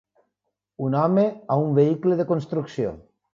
Un home a un vehicle de construcció.